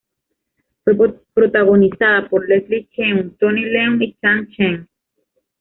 Fue protagonizada por Leslie Cheung, Tony Leung y Chang Chen.